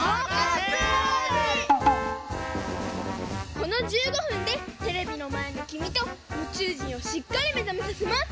この１５ふんでテレビのまえのきみとむちゅう人をしっかりめざめさせます！